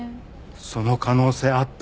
その可能性あった。